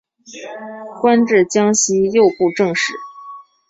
官至江西右布政使。